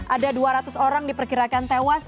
ada dua ratus orang diperkirakan tewas